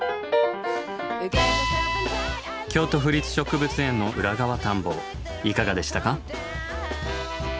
京都府立植物園の裏側探訪いかがでしたか？